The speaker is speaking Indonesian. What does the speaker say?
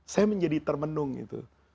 saya menjadi termenung itu